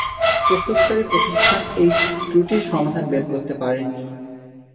প্রস্তুতকারী প্রতিষ্ঠান এই ত্রুটির সমাধান বের করতে পারেন নি।